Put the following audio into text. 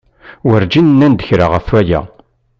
Werǧin nnan-d kra ɣef aya.